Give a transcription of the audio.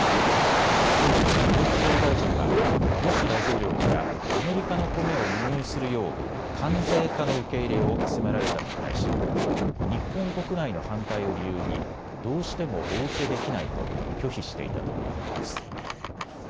当時の海部総理大臣はブッシュ大統領からアメリカのコメを輸入するよう関税化の受け入れを迫られたのに対し日本国内の反対を理由にどうしてもお受けできないと拒否していたということです。